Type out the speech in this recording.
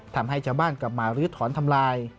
ทำให้ชาวบ้านกลับมาลื้อถอนทำลาย